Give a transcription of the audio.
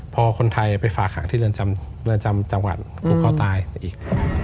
พอคนไทยไปฝากหางที่เรือนจำจังหวัดผูกคอตายไปอีก